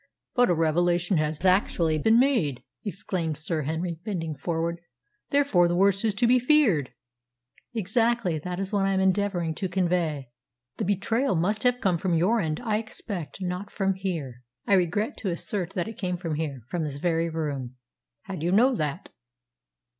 "But a revelation has actually been made!" exclaimed Sir Henry, bending forward. "Therefore the worst is to be feared." "Exactly. That is what I am endeavouring to convey." "The betrayal must have come from your end, I expect; not from here." "I regret to assert that it came from here from this very room." "How do you know that?"